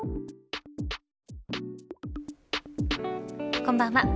こんばんは。